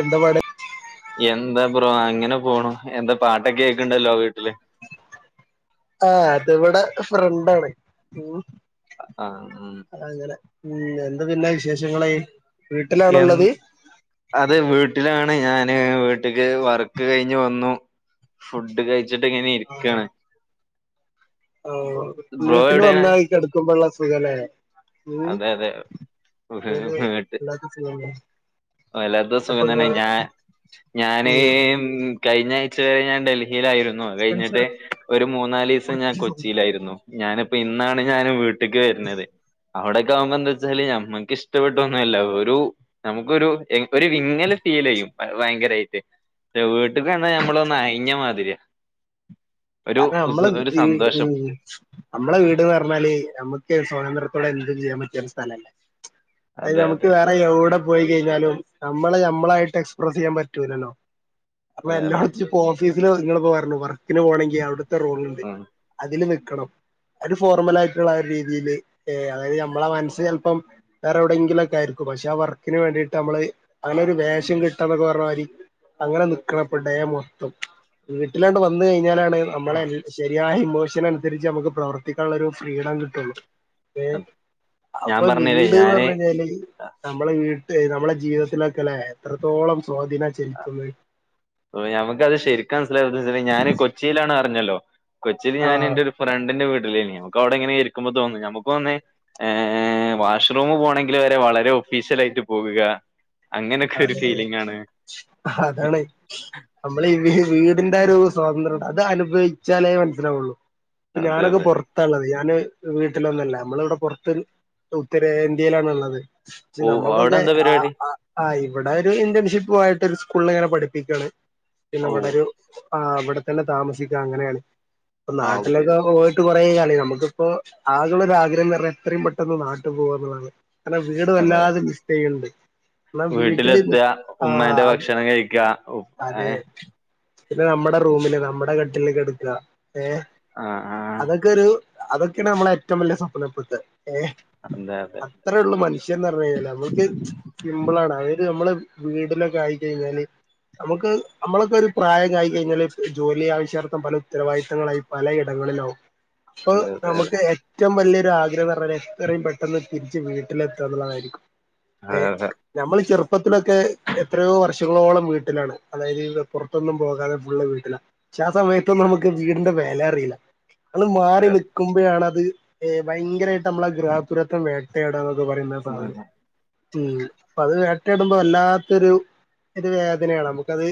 എന്തപാട് എന്താ ബ്രോ, അങ്ങനെ പോണു എന്താ പാട്ടൊകെ കേക്ക്ണ്ടല്ലോ വീട്ട്ല് ആഹ്, അത് വടെ ഫ്രണ്ടാണ് ഉം അഹ് ആഹ് ഉം അങ്ങനെ, ഉം, എന്ത പിന്നെ വിശേഷങ്ങളെയ് എൻ അത് വീട്ടിലാണ്, ഞാന് വീട്ട്ക്ക് വർക്ക് കഴിഞ്ഞ് വന്നു. ഫുഡ് കഴിച്ചിട്ട് ഇങ്ങനെ ഇരിക്കാണ്. ഓ, ബ്രോ വീട്ട്ല് എവിടെയാണ് വന്നാൽ ഈ കെട്ക്കുമ്പള്ള സുഖംല്ലേ അതെ അതെ, ഉ [unintelligible] ട്ട് വല്ലാത്ത സുഖല്ലേ ഓ, വല്ലാത്ത അപ്പൊ സുഖം തന്നെ ഇങ്ങള് ഞാൻ ഉം ഞാനേമ് കഴിഞ്ഞ ആഴ്ച വരെ ഞാൻ ഡൽഹിയിലായിരുന്നു, അ കഴിഞ്ഞിട്ട് ഒരു മൂന്നാലീസം ഞാൻ കൊച്ചിയിലായിരുന്നു. ഞാനിപ്പോ ഇന്നാണ് ഞാന് വീട്ട്ക്ക് വെര്നെത്. അവടെക്കെ ആവുമ്പ എന്തച്ചാല് ഞമ്മക്ക് ഇഷ്ടപ്പെട്ടൊന്നുല്ല ഒരു നമുക്കൊരു ഒരു വിങ്ങല് ഫീൽ ചെയ്യും ഭയങ്കരായ്റ്റ്. ന്റെ വീട്ടക്ക്ന്ന നമ്മളൊന്ന് അയഞ്ഞ മാതിരിയാ. ഒരു കാരണം നമ്മള് ഉസ്- ഒരു ഈ ഉം സന്തോഷം അമ്മളെ വീട്ന്ന് പറഞ്ഞാല് നമുക്ക് സ്വാതന്ര്ത്രത്തോടെ എന്തും ചെയ്യാൻ പറ്റിയ ഒരു സ്ഥലല്ലേ? അത് അതെ നമുക്ക് അതെ വേറെ എവിടെ പോയി കഴിഞ്ഞാലും നമ്മളെ നമ്മളായിട്ട് എക്സ്പ്രസ് യ്യാൻ പറ്റൂലല്ലോ അപ്പ അതെ അതെ എല്ലാട് ഇപ്പൊ ഓഫീസില് നിങ്ങള്പ്പോ പറഞ്ഞു വർക്കിന് പോകേണെങ്കി അവിടുത്തെ റൂള്ണ്ട് ഉം അതില് നിക്കണം. ഒരു ഫോർമൽ ആയിട്ടുള്ള രീതിയില് ഏ അതായത് നമ്മളെ മനസ്സ് ചല്പ്പം വേറെ എവിടെയെങ്കിലുംക്ക ആയിരിക്കും പക്ഷെ ആഹ് വർക്കിന് വേണ്ടീട്ട് നമ്മള് അങ്ങനെ ഒരു വേഷം കെട്ടാ എന്നൊക്കെ പറഞ്ഞ മാതിരി. അങ്ങനെ നിക്കണപ്പ ഡേ മൊത്തം വീട്ടിലാണ്ട് വന്ന കഴിഞ്ഞാലാണ് നമ്മളെ ശരിയായ ഇമോഷൻ അനുസരിച്ച് നമുക്ക് പ്രവർത്തിക്കാള്ളരു ഫ്രീഡം കിട്ടുള്ളൂ. ഏ അത് ഞാൻ അപ്പൊ പറഞ്ഞില്ലേ വീട്ന്ന് പറഞ്ഞ് ഞാന് കഴിഞ്ഞാല് നമ്മള വീട്ട് നമ്മളെ ജീവിതത്തിലൊക്കെ ലേ എത്രത്തോളം സ്വാധീനം ചെലുത്തുന്നെ. ഞമ്മക്കത് [unintelligible] ഞാൻ കൊച്ചിയിലാണ് അറിഞ്ഞല്ലോ കൊച്ചിൽ ഞാൻ ആഹ് എന്റെ ഒരു ഫ്രണ്ടിന്റെ വീട്ടിലേ നമുക്ക്വിടെങ്ങനെ ഇരിക്കുമ്പോ തോന്നു നമുക്ക് വന്നേ ഏ വാഷ്റൂമ് പോകണമെങ്കിൽ വരെ വളരെ ഒഫീഷ്യൽ ആയിട്ട് പോകുക. അങ്ങനൊക്കെ ഒരു അതെ ഫീലിംഗ് ആണ് അതാണ്. നമ്മൾ വീടിന്റെ ഒരു സ്വാതന്ത്ര്യം അത് അനുഭവിച്ചാലേ മനസ്സിലാവുള്ളൂ. ഇപ്പൊ അതെ ഞാനൊക്കെ അതെ പുറ പുത്താള്ളത് ഞാന് വീട്ടിലൊന്നല്ല നമ്മള ഇവിടെ പുറത്ത് ഉത്തരേന്ത്യയിലാണ്ള്ളത്. ച്ച് ഓ അവിടെ നമ്മൾതൊന്ന് എന്താ ആഹ് പരിപാടി ആഹ് ആഹ് ഇവിടെ ഒരു ഇന്റേൺഷിപ്പ് മായിട്ട് ഒരു സ്കൂളിൽ ഇങ്ങനെ പഠിപ്പിക്കുകയാണ് പിന്നെ ഓ ഇവിടെ ഒരു ആഹ് വിടെ തന്നെ താമസിക്ക അങ്ങനെണ് ഇപ്പ ആ അതെ നാട്ടിലൊക്കെ ആവുമ്പോ ട്ട് കുറേ കാലായി നമുക്ക്‌പ്പോ ആകെള്ളൊരാഗ്രഹം ന്ന്റഞ്ഞ എത്രയും പെട്ടന്ന് നാട്ടുപോകാന്നു ള്ളതാണ്. അല്ല വീട് അതെ വല്ലാതെ മിസ് ചെയ്യ്ണ്ട്. ന്ന വീട്ടില് വീട്ടിലെത്തുക നിക് ആഹ് ഉമ്മാന്റെ അത് ഭക്ഷണം കഴിക്കുക അതെ. ഏഹ് പിന്നെ നമ്മുടെ റൂമില് നമ്മുടെ കട്ടില് കെട്ക്കാ ഏഹ് ആഹ് ആഹ്. അതൊക്കെ ഒരു അതൊക്കെയാണ് നമ്മളെ ഏറ്റവും വലിയ സ്വപ്നപുട്ട് ഏഹ് അതെ അതെ അത്രേള്ളൂ മനുഷ്യൻ പറഞ് കഴിഞ്ഞാൽ നമക്ക് [unintelligible] അവര് നമ്മള് വീടിലൊക്കെ ആയി കഴിഞ്ഞാല് നമുക്ക് നമ്മളൊക്കെ ഒരു പ്രായം കഴിഞ്ഞേഞ്ഞാല് ജോലി ആവശ്യാർത്തം പല ഉത്തരവാദിത്തവങ്ങളായി പലയിടങ്ങളിലാവും അപ്പൊ അതെ അതെ അതെ നമുക്ക് എ ഏറ്റവും വലിയൊരു ആഗ്രഹംന്ന് പറഞ്ഞാൽ എത്രയും പെട്ടെന്ന് തിരിച്ച് വീട്ടിലെത്ത എന്നുള്ളതായിരിക്കും ഏ അതെ ഞമ്മൾ ചെറുപ്പത്തിലൊക്കെ എത്രയോ വർഷങ്ങളോളം വീട്ടിലാണ് അതായത് പുറത്തൊന്നും പോകാതെ ഫുള് വീട്ടില. പക്ഷ ആ സമയത്തൊന്നും നമുക്ക് വീടിന്റെ വില അറിയില്ല. അത് മാറി അതെ നിൽക്കുമ്പോഴാണ് അത് ഭയങ്കരായിട്ട് നമ്മളെ ഗൃഹപുരത്വം വെ തേടാന്നൊക്കെ പറയുന്ന സാധനം ഉം. അപ്പ അത് വേട്ട ഇടുമ്പോ വല്ലാത്തൊരു വേദനയാണ് നമ്മുക്കത്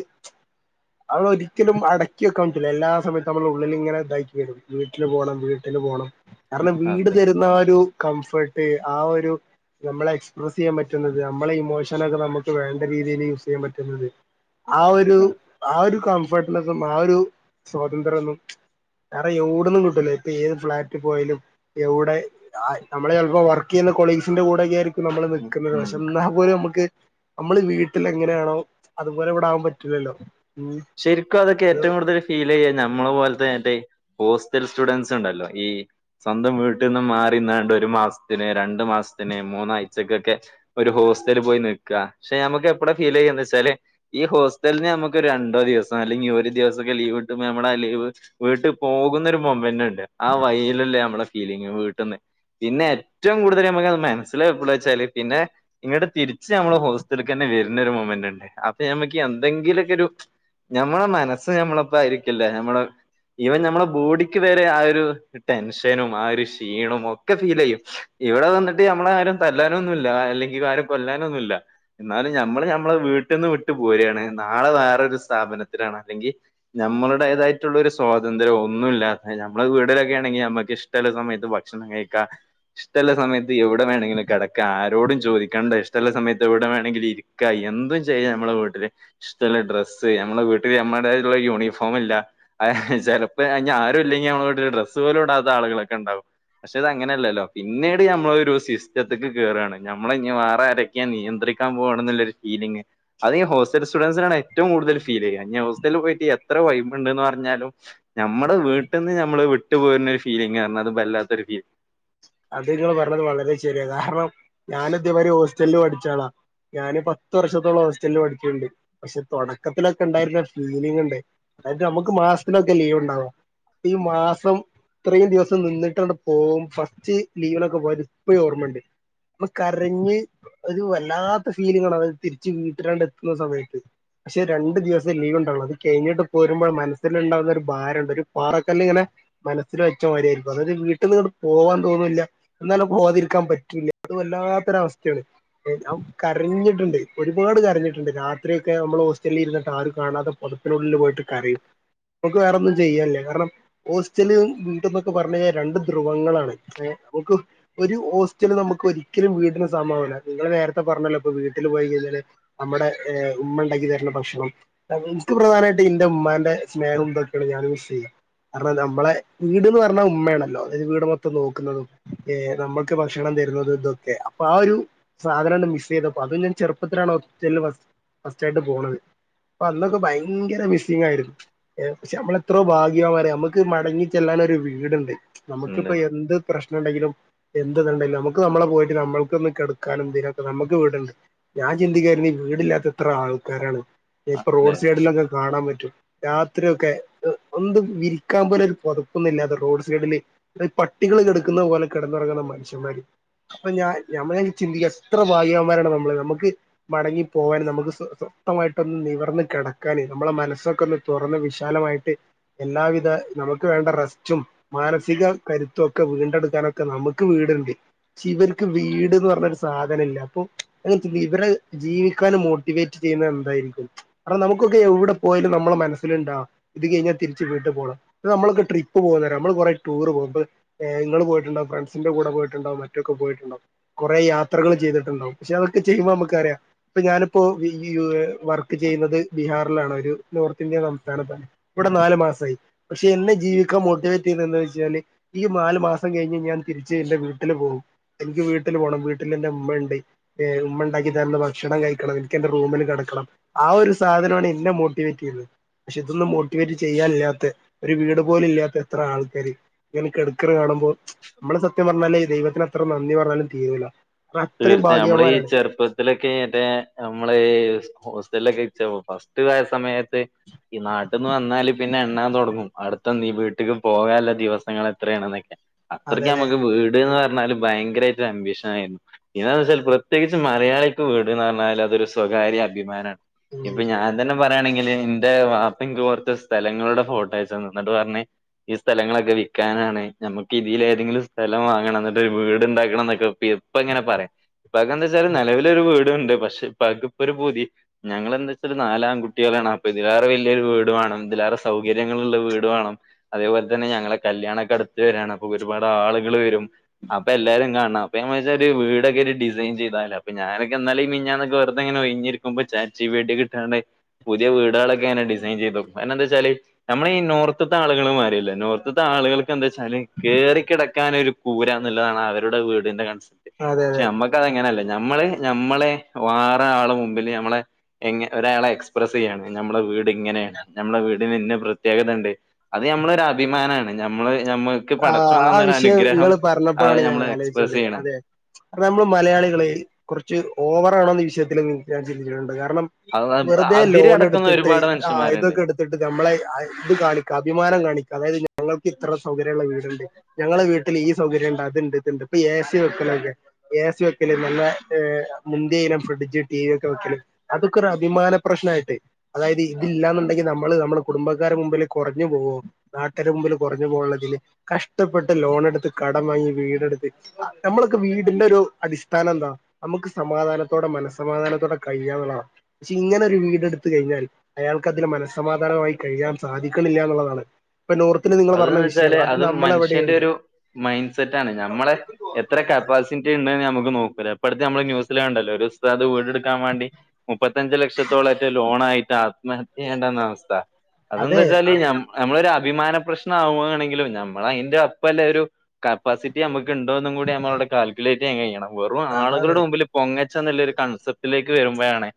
[inaudible] അത് ഒരിക്കലും അടക്കി വെക്കാൻ പറ്റില്ല എല്ലാ സമയത്തും നമ്മൾ ഉള്ളിൽ ഇങ്ങനെ തായ്ക്ക് വരും‌ വീട്ടിൽ പോണം വീട്ടിൽ പോണം കാരണം അതെ വീട് അതെ തരുന്ന ആഹ് ഒരു കംഫർട്ട് ആഹ് ഒരു നമ്മളെ എക്സ്പ്രെസ്സ് ചെയ്യാൻ പറ്റുന്നത് ത് നമ്മളെ ഇമോഷനൊക്കെ നമുക്ക് വേണ്ട രീതിയിൽ യൂസ് ചെയ്യാൻ പറ്റുന്നത് ആഹ് ഒരു ആഹ് ഒരു കംഫർട്ടനെസും ആ ഒരു സ്വാതന്ത്ര്യ ഒന്നും വേറെ എവ്ട്ന്നും കിട്ടൂല ഇപ്പൊ ഏത് ഫ്ലാറ്റിൽ പോയാലും എവ്ടെ നമ്മള് ചിലപ്പോ വർക്ക് ചെയ്യുന്ന കൊളീഗ്സിന്റെ കൂടെ ഒക്കെ ആയിരിക്കും നമ്മൾ ഉം നിക്കുന്നത് ഉം. പഷ് ആപോലും നമുക്ക് നമ്മള് വീട്ടിൽ എങ്ങനെയാണോ അതുപോലെ ഇവിടാകൻ പറ്റില്ലല്ലോ? ശരിക്കും അതൊക്കെ ഏറ്റവും കൂടുതൽ ഫീൽ ചെയ്യ നമ്മള് പോലത്തെ മറ്റെ ഹോസ്റ്റൽ സ്റ്റുഡൻസ് ഉണ്ടല്ലോ ഈ സ്വന്തം വീട്ടിൽ നിന്നും മാറിന്നാണ്ട് ഒരു മാസത്തിനന് രണ്ടു മാസത്തിന് മൂന്നാഴ്ചക്കൊക്കെ ഒരു ഹോസ്റ്റൽ പോയി നിക്കാ പക്ഷെ നമ്മക്ക് എപ്പളാ ഫീൽ ചെയ്യന്ന് വെച്ചാല് ഈ ഹോസ്റ്റലിന് നമുക്ക് രൺ ണ്ടോ ദിവസം അല്ലങ്കി ഒരു ദിവസൊക്കെ ലീവ് കിട്ടുമ്പൊ ഞമ്മളാ ലീവ് വീട്ട് പോകുന്നൊരു മുമൻ്റ്ണ്ട്. ആ വയ്ലല്ലേ നമ്മളെ ഫീലിങ് വീട്ട് ന്ന് പിന്നെ ഏറ്റവും കൂടുതൽ നമ്മുക്കത് മനസ്സിലാവ എപ്പളാ വെച്ചാല് പിന്നെ ഇങ്ങട്ട് തിരിച്ച് ഞമ്മള് ഹോസ്റ്റല്ക്കെന്നെ വര്നൊരു മൊമെന്റ് ണ്ട്. അപ്പൊ ഞമ്മക്ക് എന്തെങ്കിലൊക്കെരു ഞമ്മള മനസ്സ് ഞമ്മളപ്പ ആയിരിക്കില്ല. ഞമ്മളെ ഈവൻ ഞമ്മളെ ബോഡിക്ക് വെരെ ആ ഒരു ടെൻഷനും ആ ഒരു ക്ഷീണും ഒക്കെ ഫീലെയ്യും ഇവടെ വന്നിട്ട് ഞമ്മളാരും തല്ലാനൊന്നുല്ല അല്ലെങ്കി ആരും കൊല്ലാനൊന്നുല്ല. എന്നാലും നമ്മള് ഞമ്മളെ വീട്ട് ന്ന് വിട്ട് പോരാണ്. നാളെ വേറെ ഒരു സ്ഥാപനത്തിലാണ്. അല്ലെങ്കി നമ്മുടേതായിട്ടുള്ള ഒരു സ്വാതന്ത്ര്യവും ഒന്നും ഇല്ലാത്തെ നമ്മള് വീടിലൊക്കെ ആണെങ്കി നമ്മുക്ക് ഇഷ്ടല്ലെ സമയത്ത് ഭക് ഷണം കഴിക്കാ. ഇഷ്ടല്ല സമയത്ത് എവിടെ വേണങ്കിലും കെടക്കാ ആരോടും ചോദിക്കണ്ട. ഇഷ്ടല്ല സമയത്ത് എവ്ടെ വേണങ്കിലും ഇര് ക്കാ എന്തും ചെയ്യ നമ്മളെ വീട്ടില്. ഇഷ്ടല്ല ഡ്രസ് സ് നമ്മളെ വീട്ടില് നമ്മടേതായിട്ട്ള്ള യൂണിഫോമില്ല. അഹ് ചെലപ്പ ഇഞ് ആരും ഇല്ലെങ്കി നമ്മളൊരു ഡ്രസ്സ് പോലും ഇടാത്ത ആളുകളൊക്കെ ണ്ടാവും. പക്ഷെ ഇത് അങ്ങനെല്ലല്ലോ. പിന്നീട് ഞമ്മളൊ ഒരു സിസ്റ്റത്തേക്ക് കേറാണ് ഞമ്മളെ ഇഞ് വേറാരിം ക്ക്യാൻ നിയന്ത്രിക്കാൻ പോവാണ് ന്നുല്ലരു ഫീലിംഗ്. അതീ ഹോസ്റ്റൽ സ്റ്റുഡൻസിനാണ് റ്റും കൂടുതൽ ഫീൽ ചെയ്യാ. ഇഞ് ഹോസ്റ്റൽല് പോയിട്ട് എത്ര വൈബു ണ്ട്ന്ന് പറഞ്ഞാലും ഞമ്മളെ വീട്ട് ന്ന് ഞമ്മള് വിട്ടു പോര്ന ഒരു ഫീലിംഗാർഞ്ഞാ അത് വല്ലാത്തൊരു ഫീ അത് ഇങ്ങൾ പറഞ്ഞത് വളരെ ശരിയാ. കാരണം ഞാനും ഇതേമായ്രി ഹോസ്റ്റലില് പഠിച്ചാളാ ഞാന് പത്ത് വർഷത്തോളം ഹോസ്റ്റലില് പഠിച്ച്ണ്ട് പക്ഷെ തൊടക്കത്തിലൊക്കെ ഉണ്ടായിരുന്നൊര് ഫീലിംഗ്ണ്ട് അതായത് നമുക്ക് മാസത്തിലൊക്കെ ലീവ് ണ്ടാവാ. പ്പീ മാസം ഇത്രയും ദിവസം നിന്നിട്ടാണ്ട് പോവും ഫ സ്റ്റ് ലീവിലൊക്കെ ഇപ്പഴും ഓർമ്മണ്ട്. മ്മള് കരഞ്ഞ് ഒരു വല്ലാത്ത ഫീലിംഗാണത് തിരിച്ച് വീട്ടിലാണ്ട് എത്തുന്ന സമയത്ത് പക്ഷെ രണ്ട് ദിവസെ ലീവ്ണ്ടാവുള്ളു. അത് കെഴിഞ്ഞിട്ട് പോരുമ്പോൾ മനസ്സില് ഇണ്ടാവുന്ന ഒരു ഭാരണ്ട്. ഒരു പാറക്കല്ല് ഇങ്ങനെ മനസ്സിൽല് വെച്ച മായിരിയായിരിക്കും. അതായത് വീട്ട് ന്ന് ങ്ങട്ട് പോവാൻ തോന്നൂല്ല. എന്നാലോ പോവാതിരിക്കാൻ പറ്റൂല്ല. അത് വല്ലാത്തൊരവസ്ഥേണ്. ഏഹ് ഞാൻ കരഞ്ഞിട്ടുണ്ട്. ഒരുപാട് കരഞ്ഞിട്ടുണ്ട്. രാത്രിയൊക്കെ നമ്മൾ ഹോസ്റ്റലിൽ ഇരുന്നിട്ട് ആരും കാണാതെ പൊത പ്പിനുള്ളില് പോയിട്ട് കരയും. നമുക്ക് വേറൊന്നും ചെയ്യാനില്ല. കാരണം ഹോസ്റ്റലും വീട്ടും ന്നൊക്കെ പറഞ്ഞു കഴിഞ്ഞാ രണ്ട് ധ്രുവങ്ങളാണ്. ഏഹ് നമുക്ക് ഒരു ഹോസ്റ്റലും നമുക്ക് ഒരിക്കലും വീടിന് സമാവൂല്ല. നിങ്ങള് നേരത്തെ പറഞ്ഞല്ലോ ഇപ്പൊ വീട്ടില് പോയി കഴിഞ്ഞാല് നമ്മടെ ഏഹ് ഉമ്മ ഇണ്ടാക്കി തര്ണ ഭക്ഷണം ഇൻക്ക് പ്രധാനായിട്ട് ഇന്റെ ഉമ്മാന്റെ സ്നേഹം ഇതൊക്കേണ് ഞാൻ മിസ്സെയ്യാ. കാരണം നമ്മളെ വീട്ന്ന് പറഞ്ഞാ ഉമ്മേണല്ലോ. അതായത് വീട് മൊ ത്തം നോക്കുന്നതും ഏഹ് നമ്മക്ക് ഭക്ഷണം തരുന്നതും ഇതൊക്കെ. അപ്പൊ ആ ഒരു സാധനാണ്ട് മിസ് ചെയ്തപ്പം അതും ഞാൻ ചെറുപ്പത്തിലാണ് ഹോസറ്റലിൽ ഫസ് ഫസ്റ്റായിട്ട് പോണത്. പ്പ അന്നൊക്കെ ഭയങ്കര മിസ്സിംഗ് ആയിരുന്നു. ഏഹ്. പക്ഷെ നമ്മള് എത്രോ ഭാഗ്യവാന്മാര്, നമ്മക്ക് മടങ്ങി ചെല്ലാനൊരു വീട്ണ്ട്. നമുക്ക് ഉണ്ട് എന്ത് പ്രശ്നണ്ടെങ്കിലും എന്ത് ദ് ണ്ടെലും നമക്ക് നമ്മളെ പോയിട്ട് നമ്മൾക്കൊന്ന് കെട്ക്കാനും ഇതിനൊക്കെ നമക്ക് വീടുണ്ട്. ഞാൻ ചിന്തിക്കായിരുന്നു ഈ വീടില്ലാത്ത എത്ര ആൾക്കാരാണ്. ഏഹ്. ഇപ്പൊ ല്ലേ റോഡ് സൈഡിലൊക്കെ കാണാൻ പറ്റും. രാത്രിയൊക്കെ ഒന്തും വിരിക്കാൻ പോലെ ഒരു പൊതപ്പൊന്നുല്ലാതെ റോഡ് സൈഡില് ഈ പട്ടികള് കിടക്കുന്ന പോലെ കിടന്നൊറങ്ങുന്ന മനുഷ്യമാര്. അപ്പൊ ഞാൻ ഞമ്മള ചിന്തിക്കാ എത്ര ഭാഗ്യവന്മാരാണ് നമ്മള്. നമക്ക് മടങ്ങി പോവാന്, നമുക്ക് സ്വ സ്വസ്ത്തമായിട്ടൊന്ന് നിവർന്ന് കിടക്കാന് നമ്മളെ മനസ്സൊക്കൊന്ന് തുറന്ന് വിശാലമായിട്ട് എല്ലാവിധ നമുക്ക് വേണ്ട റെസ്റ്റും മാനസിക കരുത്തു ഒക്കെ വീണ്ടെടുക്കാനൊക്കെ നമുക്ക് വീട്ണ്ട്. ശ്ശി ഇവർക്ക് വീട്ന്ന് പറഞ്ഞൊരു സാധന ഇല്ല. അപ്പൊ അങ്ങൻത്തെ ഇവരെ ജീവിക്കാനും മോ ട്ടിവേറ്റ് ചെയ്യുന്നത് എന്തായിരിക്കും കാരണം നമുക്കൊക്കെ എവ്ടെ പോയാലും നമ്മളെ മനസ്സിലുണ്ടാ ഇത് കഴിഞ്ഞാ തിരിച്ച് വീട്ട പോണം നമ്മൾക്ക് ട്രപ്പ് പോകുന്നരാം നമ്മൾറേ ടൂർ പോകുന്നത്. അപ്പ നിങ്ങൾ പോയിട്ടുണ്ടോ ഫ്രസിന്റെ കൂടെ പോയിട്ടുണ്ടോ മറ്റൊക്കെ പോയിട്ടുണ്ടാവും. കൊറെ യാത്രകൾ ചെയ്തിട്ടുണ്ടാവും പക്ഷെ അതൊക്കെ ചെയ്യുമ്പോ നമക്കറിയാം ഇപ്പൊ ഞാനിപ്പോ വർക്ക് ചെയ്യുന്നത് ബിഹാറിലാണ് ഒരു നോർത്ത് ഇന്ത്യ സംസ്ഥാനത്താണ് ഇവിടെ നാല് മാസമായി പക്ഷെ എന്നെ ജീവിക്കാൻ മോട്ടിവേറ്റ് ചെയ്ത് എന്താ വെച്ചാല് ഈ നാല് മാസം കഴിഞ്ഞ് ഞാൻ തിരിച്ച് എന്റെ വീട്ടിൽ പോകും എനിക്ക് വീട്ടിൽ പോകണം വീട്ടിൽ എന്റെ ഇമ്മണ്ട് ഏ ഉമ്മ ഉണ്ടാക്കി തരുന്ന ഭക്ഷണം കഴിക്കണം എനിക്ക് എന്റെ റൂമിൽ കെടക്കണം ആ ഒരു സാധനണ് എന്നെ മോട്ടിവേറ്റ് ചെയ്യുതെ പക്ഷെ ഇതൊന്നും മോട്ടിവേറ്റ് ചെയ്യാനില്ലാത്ത ഒരു വീട് പോല ഇല്ലാത്ത എത്ര ആൾക്കാര്. ഇബല് കെടക്കണ കാണുമ്പോ നമ്മളെ സത്യം പറഞ്ഞാല ദൈവത്തിന് എത്ര നന്ദി പറഞ്ഞാലും തീരൂല്ല. അത്രയും ഭാഗ്യവാനാണ്. ഇവലൊക്കെമറ്റേ നമ്മള ഈ ഹോസ്റ്റലൊക്കെ ഇ ഫസ്റ്റ് ആയ സമയത്ത് ഈ നാട്ടിൽന്ന് വന്നാല് പിന്നെ എണ്ണാൻ തൊടങ്ങും അടുത്തന്ന് വീട്ടക്ക് പോകല്ല ദിവസങ്ങൾ എത്രയാണ എന്നൊക്കെ അതെ അത്രക്ക് അതെ നമക്ക് വീട്ന്ന് പറഞ്ഞാല് ഭയങ്കരമായിട്ട് അംമ്പീഷൻ ആയിരുന്നു എന്താന്ന് വെച്ചാൽ പ്രത്യേകിച്ച് മലയാളിക്ക് വീട് എന്ന് പറഞ്ഞാൽ അതൊരുസ്വകാര്യ അഭിമാനണ് ഉം ഇപ്പൊ ഞാൻ തന്നെ പറഞ്ഞ ണെങ്കിൽ എന്റെ വപ്പക്ക് കൊറച്ച് സ്ഥലങ്ങളുടെ ഫോട്ടോ അയച്ച്എന്നിട്ട്പറഞ്ഞ ഈ സ്ഥലങ്ങളൊക്കെ വിൽക്കാനാണ് നമ്മുക്ക് ഇതിൽ ഏതെങ്കിലും സ്ഥലം വാങ്ങണം എന്നിട്ട് ഒരു വീട്ണ്ടാക്കണം എന്നൊക്കെ ഇപ്പ ഇങ്ങനെ പറയാം ഇപ്പൊക്കെ എന്താ വെച്ചാല് നെലവിലൊരു വീടുണ്ട് പക്ഷെ ഇപ്പൊക്കെ ഇപ്പൊ ഒരു പൂതി. ഞങ്ങെന്താ വെച്ചാല് നാലാം കുട്ടികളാണ് അപ്പൊ ഇതിലേറെ വലിയൊരു വീട് വേണം ഇതിലേറെ സൗകര്യങ്ങളള്ള വീട് വേണം അതേപോലെ തന്നെ ഞങ്ങളെ കല്യാണൊക്കെ അടുത്ത് വരാണ് അപ്പൊ ഒരുപാട് ആളുകൾ വരും അപ്പൊ എല്ലാരും കാണാം അപ്പ വെച്ചാല് വീട് ഇൊെ ഡസൈൻ ചെയ്താല അൊ ഞാനൊക്കെ ഇന്നലെ മിനിഞ്ഞാന്ന കെഒഴഞ്ഞിരിക്ക്പോ ച, ച്ചി, ടി, പി, കിട്ടാണ്ട് പുതിയ വീടുകളൊക്കെങ്ങനെ ഡിസൈൻ ചെയ്തൊക്കും കാരണന്നെന്താ വച്ചാല്. നമ്മള ഈ നോർത്തത്തെ ആളുകൾ മായിരില്ല നോർത്തത്തെ ആളുകൾ. എന്താ വച്ചാല് കേറിക്കിടക്കാൻൊ ഒരു കൂര എന്നുള്ളതാണ് അവരുടെ വീടിന്റെ കൺസെപ്റ്റ്. അതെ നമ്മക്ക അതെങ്ങനെയല്ലേ നമ്മള് നഞമ്മളെ വേറെ ആള് മുമ്പില് മ്മളെ എ ഒരാളെ എക്സ്പ്രെസ് ചെയ്യാണ് നമ്മളെ വീട് ഇങ്ങനെയാണ് നമ്മുടെ വീടിന് ഇന്ന പ്രത്യേകതണ്ട് അത് നമ്മളൊ ഒരു അഭിമാനമാണ് നഞമ്മള് നമ്മ - ആഹ് ആ വിഷയം നങ്ങൾ അത് പറഞ്ഞപ്പോഴാണ് ഞാൻ ഞമ്മള് എക്സ്പ്രസ് ആലോചിച്ചത് ചെയ്യണ അതെ നമ്മൾ മലയാളികളെ കെറച്ച് ഓവറാണോ എന്ന വിഷയത്തിൽ ഞാൻ ചിന്തിക്കല്ട്ണ്ട് കാരണം. അത് വെറുതെ അതിര് ലോൺ കടക്കുന്ന എടുത്തിട്ട് ഒരുപാട് ആ മനുഷ്യന്മാരുണ്ട് ഇതൊക്കെ എടു ട്ട് നമ്മളെ ഇത് കാണിക്കുക അഭിമാനം കാണിക്കുക അതായത് ഞങ്ങൾക്ക് ഇത്ര സൗകര്യ വീടുണ്ട് ഞങ്ങളെ വീട്ടിൽ ഈ സൗകര്യം ഉണ്ട് അത്ണ്ട് ഇത്ണ്ട് ഇപ്പൊ ഏ സി വെക്കൊക്കെ എ സി വെക്കലും നല്ല മുന്തിയ ഇനം ഫ്രിഡ്ജ് ടി, വി, ഒക്കെ വെക്കലും അതൊക്കെ ഒരു അഭിമാന പ്രശ്നമായിട്ടേ അതായത് ഇതില്ലാന്നുണ്ടെങ്കി നമ്മള് നമ്മുടെ കുടുംബക്കാരടെ മുമ്പിൽ കൊറഞ്ഞു പോകോ നാട്ടരു മുമ്പിൽ കൊറഞ്ഞു പോുള്ളതില് കഷ്ടപ്പെട്ട് ലോണ എടുത്ത് കടം വാങ്ങി വീടെടുത്ത്. നമ്മളൊക്കെ വീടിന്റെ ഒരു അടിസ്ഥാനം എന്താണ്? നമുക്ക് സമാധാനത്തോടെ മനസ്സമാധാനത്തോടെ കഴിയന്നുള്ളതാണ് പക്ഷെ ഇങ്ങനെ ഒരു വീട് എടുത്ത കഴിഞ്ഞാൽ അയാൾക്ക് അതിന് മനസ്സമാധാനമായി കഴിയാൻ സാധിക്കണില്ല എന്നുള്ളതാണ് ഇപ്പൊ നോർത്തിന് നിങ്ങൾ പറഞ്ഞ വിഷയം. അത മനുഷ്യന്റെ നമ്മളെവിടെയുണ്ട്. മെൻഡ് സെറ്റ്ണ് നമ്മളെ എത്ര കപ്പാസി റ്റിനമുക്ക് നോക്ക ഇപ്പോഴത്തെ നമ്മള് ന്യൂസില കണ്ടല്ലോ ഒരുഉസ്താദ്‌വീടെടുക്കാൻ വേണ്ടി മുപ്പത്തഞ്ചച് ലക്ഷത്തോളംമായിട്ട് ലോണായിട്ട് ആത്മഹത്യ ചെയ്യേണ്ടന്ന അവസ്ഥ അതെന്താ അതെ വെച്ചാല്ഞ നമ്മളൊ ഒരു അഭിമാന പ്രശ്നം ആകവാണെങ്കിലും നമ്മള അതിന്റെ അപ്പംല്ല ഒരു കപ്പാസിറ്റി നമുക്ക് ഉണ്ടോന്നും കൂടി നമ്മള വടെ കാൽകു എങ്ങനെവച്ചാ അങ്ങനെ ചെയ്യണം വെറും അതാണ് ആളുകളുടെ മുമ്പിൽ പൊങ്ങച്ചം എന്നുള്ളരു കൺസെപ്റ്റിലേക്ക് വരുമ്പോഴാണ്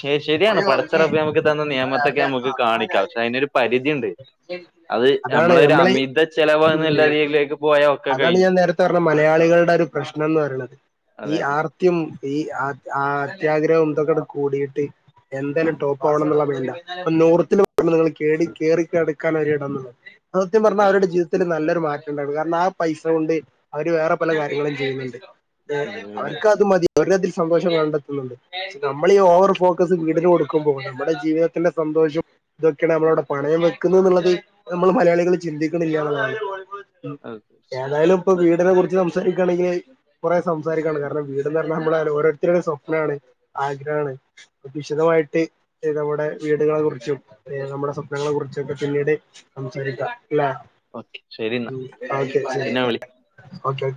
ശ ശരിയാണ് പഠിച്ചറപ്പ് നമുക്ക് തന്ന നിയമത്തൊക്കെ നമുക്ക് കാണിക്കാം പക്ഷെ അതിനൊരു പരിധിണ്ട് ശരി അത് അതാണ് നമ്മളൊരു നമ്മളെ അമിത ചെലവ് ഈ എന്നുള്ള രീതിയിലേക്ക് പോയാ ഒക്കെ അതാണ് കഴിഞ്ഞു ഞാൻ നേരത്തെ പറഞ്ഞെ മലയാളികളുടെ ഒരു പ്രശ്നം എന്ന് പറയണത് ഈ അതെ ആർ സത്യം ഈ ആ ആ ആത്യാഗ്രഹം ഇതൊക്കെട് കൂടീട്ട് എന്തോലും ടോപ്പ് ആവണം എന്നുള്ള വേണ്ട നോർത്തില് [unintelligible] നിങ്ങള് കേറി കേറി കിടക്കാനൊരിടം സത്യം പറഞ്ഞാ അതെ അവരുടെ ജീവിതത്തില് നല്ലൊരു മാ കാരണം ആ പൈസ കൊണ്ട് അവര് വേറെ പല കാര്യങ്ങളും ചെയ്യുന്നുണ്ട് ഉം, അവർക്കത് മതി അവരതിൽ സന്തോഷം കണ്ടെത്തുന്നുണ്ട്, നമ്മളീ ഈ ഓവർ ഫോ ക്കത് വീടിന് കൊടുക്കുമ്പോൾ നമ്മടെ ജീവിതത്തിന്റെ സന്തോഷം ഇതൊക്കെയാണ് നമ്മള അവടെ പണയം വെക്ക്ന്നൂ ന്നുള്ളത് നമ്മൾ മലയാളികൾ ചിന്തിക്ക്ണില്ലാ എന്നുള്ളതാണ്. അതെ ഏതായാലും ഇപ്പൊ വീടിനെ കുറിച്ച് സംസാരിക്കാണെങ്കില് കുറേ സംസാരിക്കാണ്ട് കാരണം വീട്ന്ന് റഞ്ഞാൽ നമ്മളെ ഓരോരുത്തരുടെ സ്വപ്നാണ് ആഗ്രഹാണ്. വിശദമായിട്ട് നമ്മുടെ വീടുകളെ കുറിച്ചും നമ്മുടെ സ്വപ്നങ്ങളെ കുറിച്ചും ഒക്കെ പിന്നീട് സംസാരിക്കാം ല്ലേ ഓക്കെ ശരി എന്നാ ആഹ് ശരി ശരി. പിന്നെ വിളി ഓക്കെ.